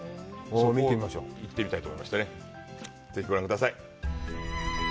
そこへ行ってみたいと思いましてね、ぜひご覧ください。